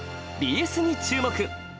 ＢＳに注目！